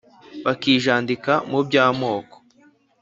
bakijandika muby’amoko